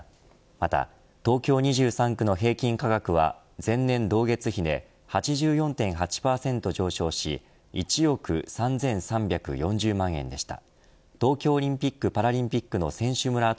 また、東京２３区の平均価格は前年同月比で８４．８％上昇し１億３３４０万円でした。